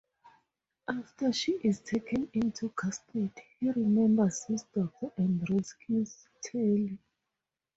After she is taken into custody, he remembers his daughter and rescues Telly.